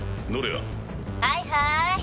はいはい。